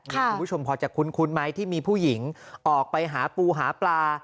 คุณผู้ชมพอจะคุ้นไหมที่มีผู้หญิงออกไปหาปูหาปลา